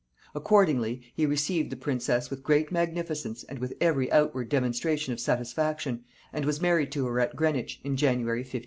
Accordingly, he received the princess with great magnificence and with every outward demonstration of satisfaction, and was married to her at Greenwich in January 1540.